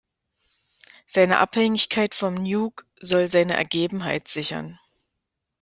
Seine Abhängigkeit vom "Nuke" soll seine Ergebenheit sichern.